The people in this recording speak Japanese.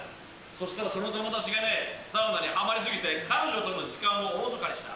そしたらその友達がね、サウナにはまりすぎて、彼女との時間をおろそかにした。